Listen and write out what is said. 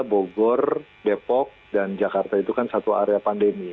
bogor depok dan jakarta itu kan satu area pandemi